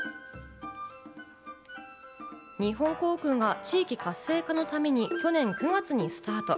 日本航空は地域活性化のために去年９月にスタート。